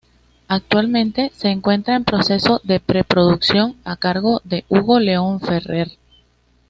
Actualmente se encuentra en proceso de pre-producción, a cargo de Hugo León Ferrer.